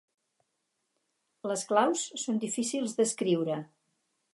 Les claus són difícils d'escriure.